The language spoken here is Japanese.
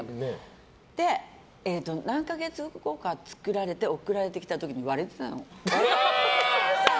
何か月か後に作られて送られた時に割れてたの。